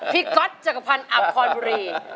พี่ก๊อตจักรพันธ์อัลคอลบุรี